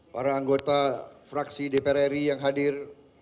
para anggota fraksi dpr ri yang hadir